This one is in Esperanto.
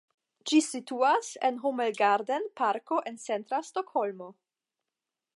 Ĝi situas en Homelgarden Parko en centra Stokholmo.